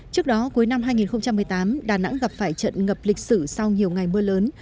trước đó cuối năm hai nghìn một mươi tám đà nẵng gặp phải trận ngập lịch sử sau nhiều ngày mưa lớn